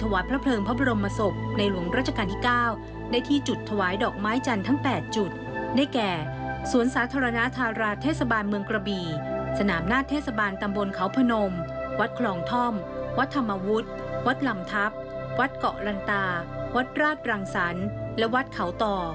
วัดธรรมวุฒิวัดลำทัพวัดเกาะลันตาวัดรากรังสรรค์และวัดเขาต่อ